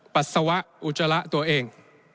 ปัสสาวะอุจจาระตัวเอง